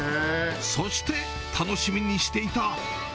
そして楽しみにしていた。